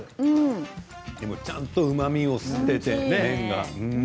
でも、ちゃんとうまみも吸っていて。